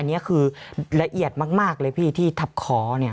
อันนี้คือละเอียดมากเลยพี่ที่ทับคอเนี่ย